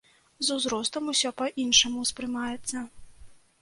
З узростам усё па-іншаму ўспрымаецца.